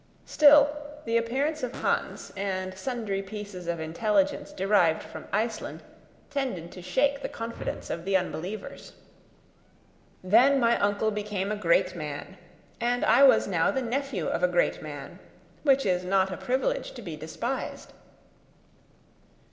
Still, the appearance of Hans, and sundry pieces of intelligence derived from Iceland, tended to shake the confidence of the unbelievers. Then my uncle became a great man, and I was now the nephew of a great man which is not a privilege to be despised.